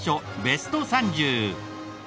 ベスト３０。